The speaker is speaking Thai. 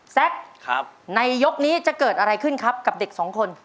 แซคในยกนี้จะเกิดอะไรขึ้นครับกับเด็กสองคน